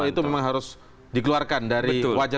itu memang harus dikeluarkan dari wajah